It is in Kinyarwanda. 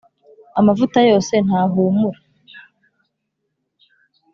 Amavuta yose ntahumura.